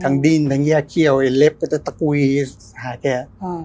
ทั้งดิ้นทั้งเยี้ยเขี้ยวเหล็บแล้วก็มีตะกุหางแต่